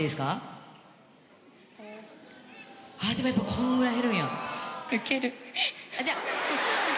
でもやっぱこんぐらい減るんや。